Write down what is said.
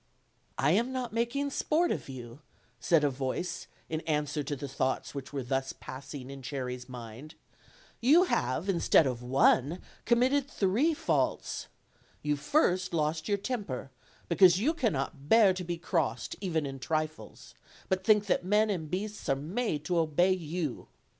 "I am not making sport of you," said a voice in an swer to the thoughts which were thus passing in Cherry's mind; "you have, instead of one, committed three faults. You first lost your temper, because you cannot bear to OLD, OLD FAIRY TALES. 32S be crossed, even in trifles, but think; that men and beasts are made to obey you.